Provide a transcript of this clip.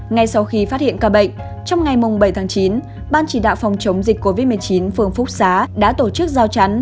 ngay sau khi phát hiện ca bệnh trong ngày bảy tháng chín ban chỉ đạo phòng chống dịch covid một mươi chín phường phúc xá đã tổ chức giao chắn